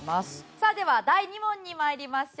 さあでは第２問に参りましょう。